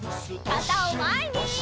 かたをまえに！